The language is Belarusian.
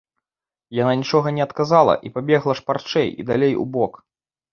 Яна нічога не адказала і пабегла шпарчэй і далей убок.